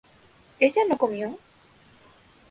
¿ella no comió?